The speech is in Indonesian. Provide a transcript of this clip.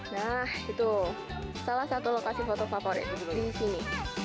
nah itu salah satu lokasi foto favorit disini